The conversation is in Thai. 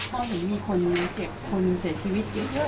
ก็เห็นมีคนเจ็บคนเสียชีวิตเยอะ